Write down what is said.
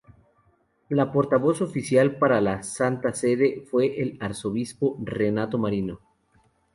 La portavoz oficial para la Santa Sede fue el arzobispo Renato Martino.